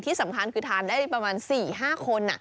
ที่สำคัญคือทานได้ประมาณ๔๕คน